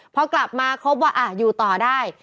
พอกลับมาเขาบอกว่าอ่ะอยู่ต่อได้